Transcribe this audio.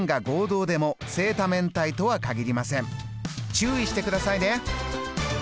注意してくださいね。